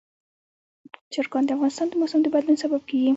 چرګان د افغانستان د موسم د بدلون سبب کېږي.